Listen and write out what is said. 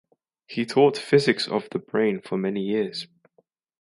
He taught "Physics of the Brain" for many years.